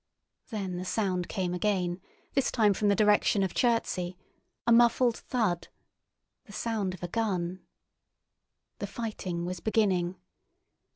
Then the sound came again, this time from the direction of Chertsey, a muffled thud—the sound of a gun. The fighting was beginning.